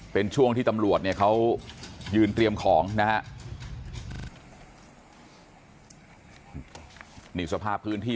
เป็นช่วงที่ตำรวจเนี่ยเขายืนเตรียมของนะฮะนี่สภาพพื้นที่